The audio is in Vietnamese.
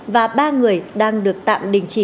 và ba người đang được tạm đình chỉ